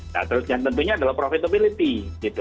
nah terus yang tentunya adalah profitability gitu